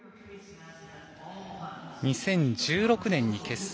２０１６年に結成。